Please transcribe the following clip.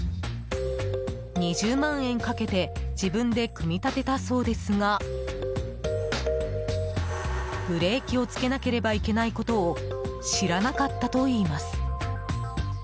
２０万円かけて自分で組み立てたそうですがブレーキをつけなければいけないことを知らなかったといいます。